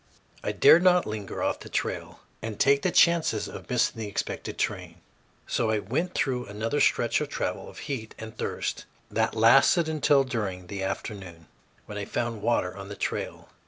I dared not linger off the trail and take chances of missing the expected train. So I went through another stretch of travel, of heat, and of thirst, that lasted until during the afternoon, when I found water on the trail.